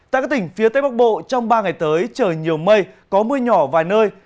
tại các tỉnh phía tây bắc bộ trong ba ngày tới trời nhiều mây có mưa nhỏ vài nơi